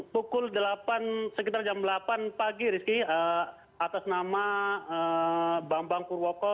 pukul delapan sekitar jam delapan pagi rizky atas nama bambang purwoko